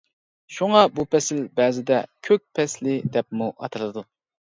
شۇڭا بۇ پەسىل بەزىدە كۆك پەسلى دەپمۇ ئاتىلىدۇ.